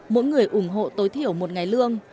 mỗi người ủng hộ tối thiểu một ngày lương